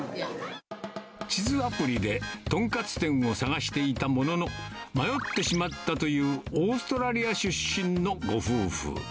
地図アプリで豚カツ店を探していたものの、迷ってしまったというオーストラリア出身のご夫婦。